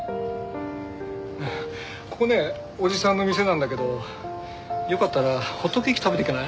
ここねおじさんの店なんだけどよかったらホットケーキ食べていかない？